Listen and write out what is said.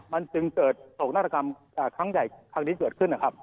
มันจึงเกิดโตรกธรรมครั้งใหญ่ขั้นที่เกิดขึ้นนะครับ